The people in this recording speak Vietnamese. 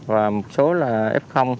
và một số là f